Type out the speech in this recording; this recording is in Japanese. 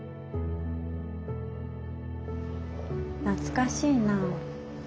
懐かしいなあ。